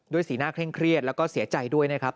สีหน้าเคร่งเครียดแล้วก็เสียใจด้วยนะครับ